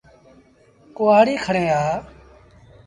ڪهآڙيٚ کڻي آ۔